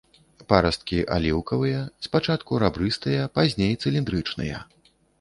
Парасткі аліўкавыя, спачатку рабрыстыя, пазней цыліндрычныя.